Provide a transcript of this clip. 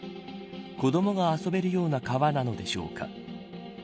子どもが遊べるような川なのでしょうか。